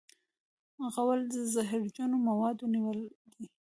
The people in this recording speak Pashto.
غول د زهرجنو موادو نیول دی.